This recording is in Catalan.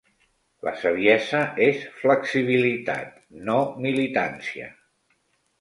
La saviesa és flexibilitat, no militància.